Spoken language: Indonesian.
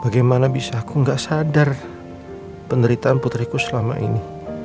bagaimana bisa aku nggak sadar penderitaan putriku selama ini